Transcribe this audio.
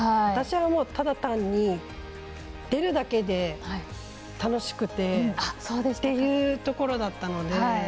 私はもうただ単に出るだけで楽しくてっていうところだったので。